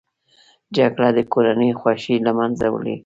جګړه د کورنۍ خوښۍ له منځه وړي